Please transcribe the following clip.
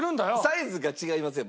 サイズが違いますやん。